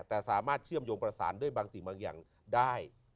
แต่สามารถเชื่อมโยงประสานด้วยบางสิ่งบางอย่างได้